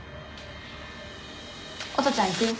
音ちゃん行くよ。